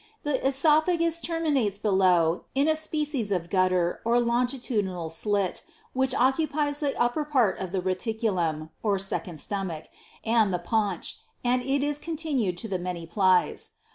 The oesophagus terminates below in a species of gutter or longitudinal slit, which occupies the upper part of the reticulum, (second stomach) and the paunch, and is continued to the manyplies.